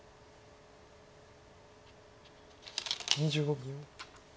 ２５秒。